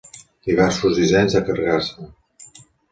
Diversos dissenys de carcassa.